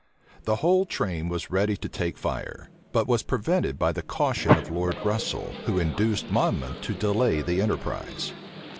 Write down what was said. The whole train was ready to take fire; but was prevented by the caution of Lord Russel, who induced Monmouth to delay the enterprise.